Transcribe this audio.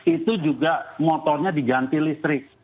itu juga motornya diganti listrik